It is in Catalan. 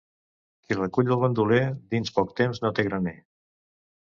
Qui recull el bandoler, dins poc temps no té graner.